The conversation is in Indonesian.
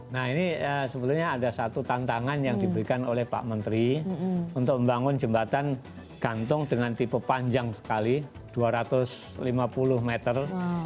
nah ini sebetulnya ada satu tantangan yang diberikan oleh pak menteri untuk membangun jembatan gantung dengan tipe panjang sekali dua ratus lima puluh meter